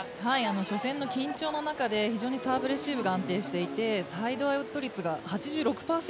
初戦の緊張の中で非常にサーブレシーブが安定していてサイドアウト率が８６％